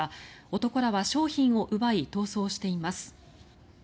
男らは商品を奪い逃走しています。